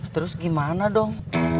terus gimana dong